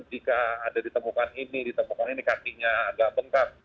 jika ada ditemukan ini ditemukan ini kakinya agak bengkak